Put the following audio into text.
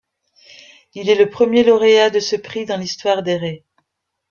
Il est le premier lauréat de ce prix dans l'histoire des Rays.